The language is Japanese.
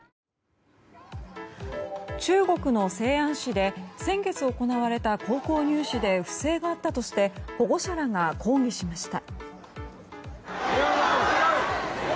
中国の西安市で先月行われた高校入試で不正があったとして保護者らが抗議しました。